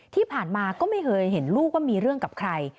ที่ผ่านมาก็ไม่เคยเห็นลูกว่ามีเรื่องกับใคร